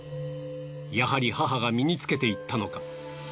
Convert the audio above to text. やはり母が身に着けていったのか？